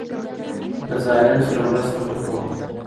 له ظالم سره مرسته مه کوه.